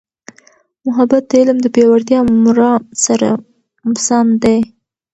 محبت د علم د پیاوړتیا مرام سره سم دی.